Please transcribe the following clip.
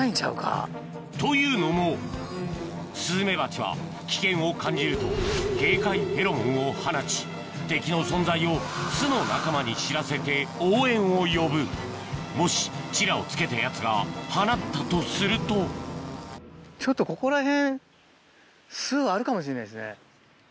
というのもスズメバチは危険を感じると警戒フェロモンを放ち敵の存在を巣の仲間に知らせて応援を呼ぶもしチラを付けたやつが放ったとするとちょっとここら辺。